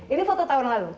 ini foto tahun lalu